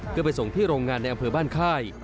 เพื่อไปส่งที่โรงงานในอำเภอบ้านค่าย